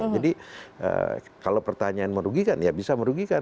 jadi kalau pertanyaan merugikan ya bisa merugikan